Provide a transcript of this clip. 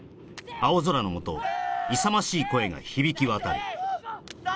青空のもと勇ましい声が響き渡る３！